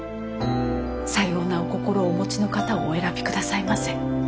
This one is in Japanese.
さようなお心をお持ちの方をお選び下さいませ。